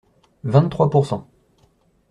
Vingt-trois pour cent.